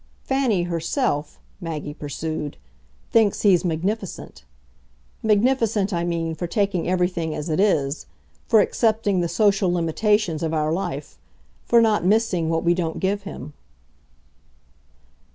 Fanny herself," Maggie pursued, "thinks he's magnificent. Magnificent, I mean, for taking everything as it is, for accepting the 'social limitations' of our life, for not missing what we don't give him."